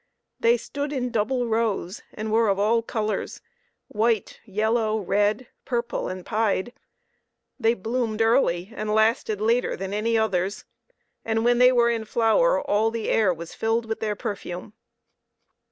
They stood in double rows, and were of all colors white, yellow, red, purple, and pied. They bloomed early, and lasted later than any others, and, when they were in flower, all the air was filled with their perfume.